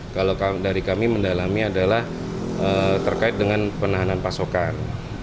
kalau dari kami mendalami adalah terkait dengan penahanan pasokan